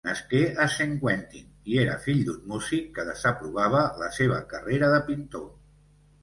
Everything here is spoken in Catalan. Nasqué a Saint-Quentin, i era fill d'un músic que desaprovava la seva carrera de pintor.